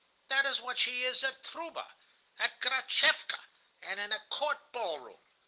That is what she is at Trouba,[*] at Gratchevka, and in a court ball room.